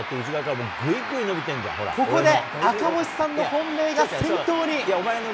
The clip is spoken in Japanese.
ここで、赤星さんの本命が先頭に。